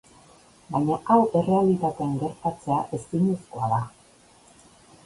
Baina hau errealitatean gertatzea ezinezkoa da.